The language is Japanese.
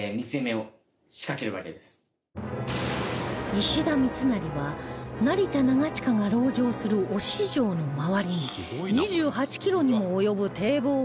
石田三成は成田長親が籠城する忍城の周りに２８キロにも及ぶ堤防を建設